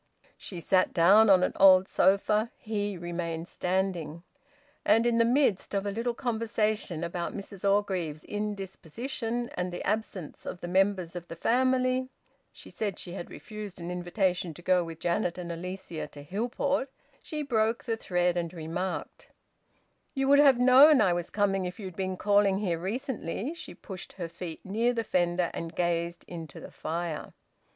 She sat down on an old sofa; he remained standing. And in the midst of a little conversation about Mrs Orgreave's indisposition, and the absence of the members of the family (she said she had refused an invitation to go with Janet and Alicia to Hillport), she broke the thread, and remarked "You would have known I was coming if you'd been calling here recently." She pushed her feet near the fender, and gazed into the fire.